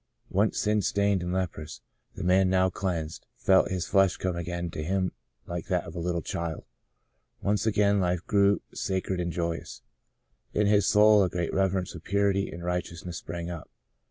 Once sin stained and leprous, the man, now cleansed, felt his flesh come again to him like that of a little child. Once again life grew sacred and joyous. In his soul a great reverence for purity and right eousness sprang up.